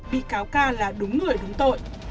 bị cáo ca là đúng người đúng tội